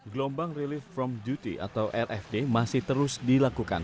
gelombang relief from duty atau rfd masih terus dilakukan